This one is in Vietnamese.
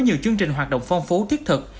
nhiều chương trình hoạt động phong phú thiết thực